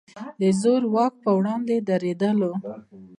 د زور واکو پر وړاندې درېدل.